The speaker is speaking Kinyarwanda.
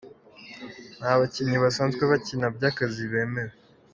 Nta bakinnyi basanzwe bakina by’akazi bemewe.